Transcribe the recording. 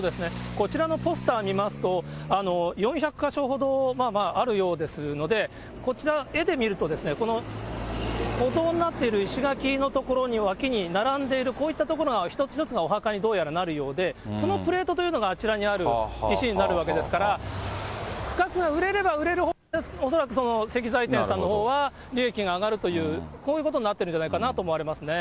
こちらのポスター見ますと、４００か所ほどあるようですので、こちら、絵で見ると、歩道になっている石垣の所の脇に並んでいる、こういった所が一つ一つがお墓にどうやらなるようで、そのプレートというのが、あちらにある石になるわけですから、区画が売れれば売れるほど、恐らく石材店さんのほうは利益が上がるという、こういうことになってるんじゃないかなと思われますね。